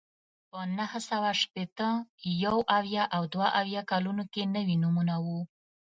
په نهه سوه شپېته، یو اویا او دوه اتیا کلونو کې نوي نومونه وو